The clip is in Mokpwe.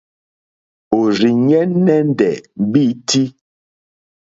Òrzìɲɛ́ nɛ́ndɛ̀ mbîtí.